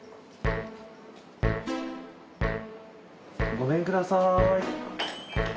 ごめんください。